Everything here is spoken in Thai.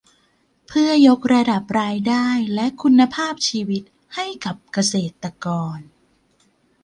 เพื่อยกระดับรายได้และคุณภาพชีวิตให้กับเกษตรกร